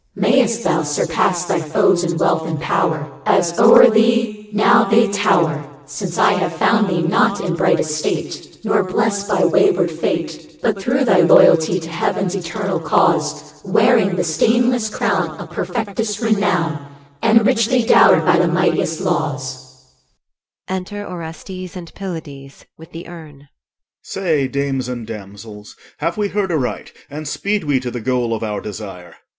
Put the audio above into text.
May'st thou surpass thy foes in wealth and power II 2 As o'er thee now they tower! Since I have found thee, not in bright estate, Nor blessed by wayward fate, But through thy loyalty to Heaven's eternal cause Wearing the stainless crown Of perfectest renown, And richly dowered by the mightiest laws. Enter ORESTES and PYLADES, with the urn. OR. Say, dames and damsels, have we heard aright, And speed we to the goal of our desire?